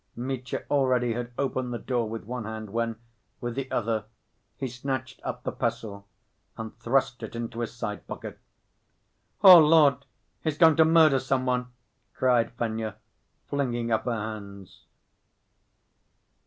Mitya already had opened the door with one hand when, with the other, he snatched up the pestle, and thrust it in his side‐pocket. "Oh, Lord! He's going to murder some one!" cried Fenya, flinging up her hands.